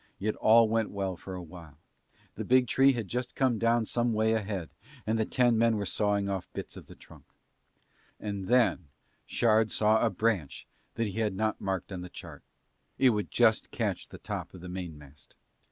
Yet all went well for a while. The big tree had just come down some way ahead, and the ten men were sawing bits off the trunk. And then Shard saw a branch that he had not marked on the chart, it would just catch the top of the mainmast.